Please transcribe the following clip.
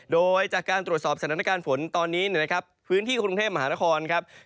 โดยจากการตรวจสอบสถานการณ์ฝนตอนนี้นะครับพื้นที่กรุงเทพมหานครครับ